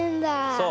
そう。